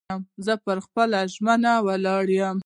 زه پر خپلو ژمنو ولاړ یم.